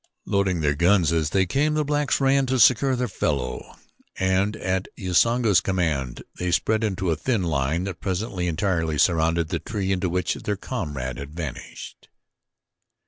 Loading their guns as they came the blacks ran to succor their fellow, and at Usanga's command they spread into a thin line that presently entirely surrounded the tree into which their comrade had vanished.